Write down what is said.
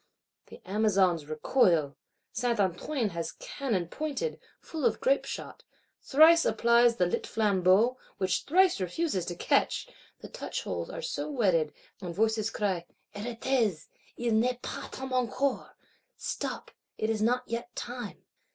The Amazons recoil; Saint Antoine has its cannon pointed (full of grapeshot); thrice applies the lit flambeau; which thrice refuses to catch,—the touchholes are so wetted; and voices cry: 'Arrêtez, il n'est pas temps encore, Stop, it is not yet time!